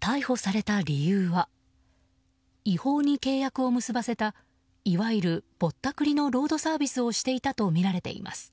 逮捕された理由は違法に契約を結ばせたいわゆる、ぼったくりのロードサービスをしていたとみられています。